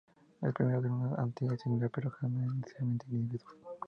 El primero es un "ente singular", pero el hombre es necesariamente individuo stricto sensu.